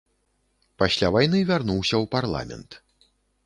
Пасля вайны вярнуўся ў парламент.